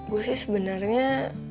gue sih sebenernya